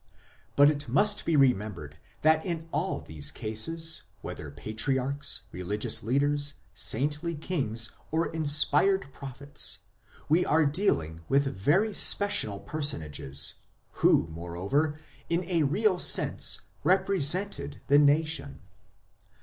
But it must be remembered that in all these cases, whether patriarchs, religious leaders, saintly kings, or inspired prophets, we are dealing with very special personages, who, moreover, in a real sense, represented the nation.